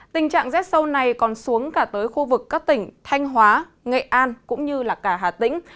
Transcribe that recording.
tình trạng rét sâu này còn xuống cả tới khu vực các tỉnh thanh hóa nghệ an cũng như cả hà tĩnh